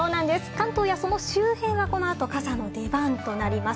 関東やその周辺はこの後、傘の出番となります。